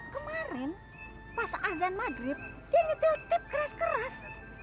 kemarin pas azan maghrib dia nyetil tip keras keras